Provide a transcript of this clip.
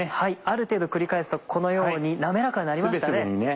ある程度繰り返すとこのように滑らかになりましたね。